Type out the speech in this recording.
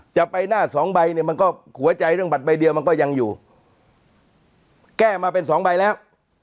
จะไปหน้าสองใบเนี่ยมันก็หัวใจเรื่องบัตรใบเดียวมันก็ยังอยู่แก้มาเป็นสองใบแล้ว